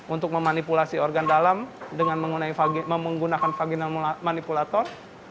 untuk memanipulasi organ dalam dengan menggunakan vaginal manipulator